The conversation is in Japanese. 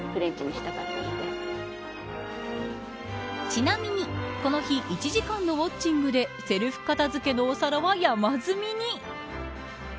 ちなみに、この日１時間のウォッチングでセルフ片付けのお皿は山積みに。